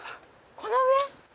この上？